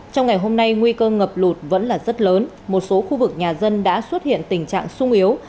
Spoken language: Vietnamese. trong ngày hôm nay nguy cơ ngập lụt vẫn là rất lớn một số khu vực nhà dân đã xuất hiện tình trạng sung yếu